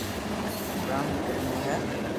پرم ڪنو ھي